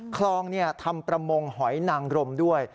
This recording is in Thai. คลองทำประมงหอยนางรมด้วย